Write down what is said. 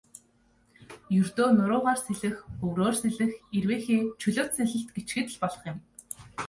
Ердөө нуруугаар сэлэх, өврөөр сэлэх, эрвээхэй, чөлөөт сэлэлт гэчихэд л болох юм.